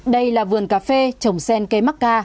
đây là vườn cà phê trồng sen cây mắc ca